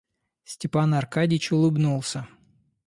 Степан Аркадьич улыбнулся.